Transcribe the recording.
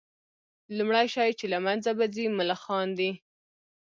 لومړى شى چي له منځه به ځي ملخان دي